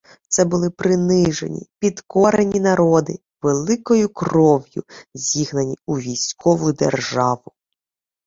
Це були принижені, підкорені народи, великою кров'ю зігнані у військову державу